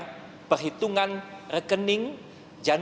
dan pelanggan yang belum berpengalaman